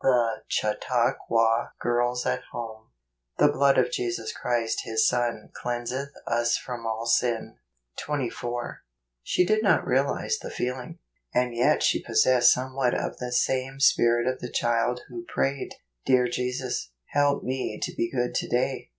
The Chautauqua Girls at Iloine. " The blood of Jesus Christ his Son cleanseth us from all sin." 24. She did not realize the feeling, and yet she possessed somewhat of the same spirit of the child who prayed: "Dear Jesus, help me to be good to day.